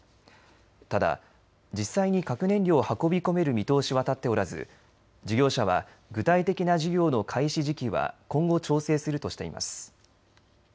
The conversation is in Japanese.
ただ、実際に核燃料を運び込める見通しは立っておらず事業者は具体的な事業の開始時期は今後、調整するとしています。